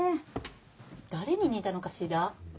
誰に似たのかしら。